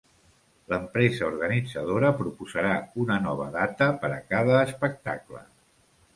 L'empresa organitzadora proposarà una nova data per a cada espectacle.